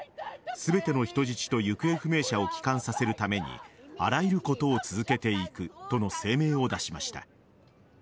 全ての人質と行方不明者を帰還させるためにあらゆることを続けていくとの声明を出しました。